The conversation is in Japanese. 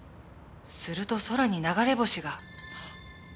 すると空に流れ星が。